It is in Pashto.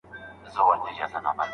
له دې ماتو ټوټو ډک کړي صندوقونه